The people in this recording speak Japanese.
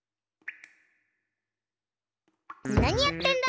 なにやってんだ！